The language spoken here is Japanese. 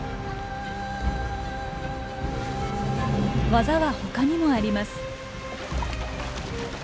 技は他にもあります。